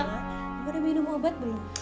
gua udah minum obat belum